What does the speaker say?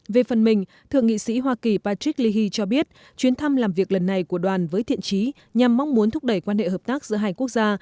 về phần mình thượng nghị sĩ hoa kỳ patrick leahy cho biết chuyến thăm làm việc lần này của đoàn với thiện trí nhằm mong muốn thúc đẩy quan hệ hợp tác giữa hai quốc gia